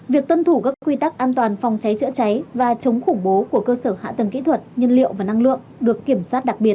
việc tuân thủ các quy tắc an toàn phòng cháy chữa cháy và chống khủng bố của cơ sở hạ tầng kỹ thuật nhân liệu và năng lượng được kiểm soát đặc biệt